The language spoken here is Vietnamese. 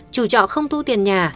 chủ trọ không thu tiền nhà